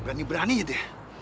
berani berani aja dia